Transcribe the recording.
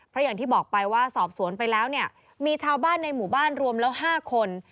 เพราะอย่างที่บอกไปว่าสอบสวนไปแล้วเนี่ยมีชาวบ้านในหมู่บ้านรวมแล้ว๕คน